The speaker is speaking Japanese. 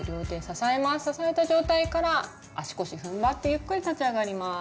支えた状態から足腰ふんばってゆっくり立ち上がります。